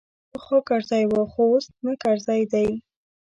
پخوا کرزی وو خو اوس نه کرزی دی.